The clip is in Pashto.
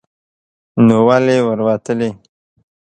نو ولې ور وتلی ؟